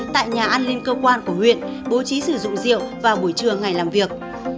tại nhà an ninh cơ quan của huyện bố trí sử dụng rượu vào buổi trưa ngày làm việc